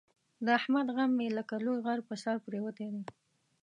د احمد غم مې لکه لوی غر په سر پرېوتی دی.